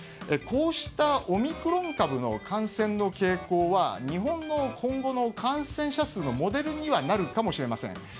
こうしたオミクロン株の感染の傾向は日本の今後の感染者数のモデルにはなるかもしれません。